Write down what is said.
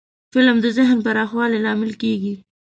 فلم د ذهن پراخوالي لامل کېږي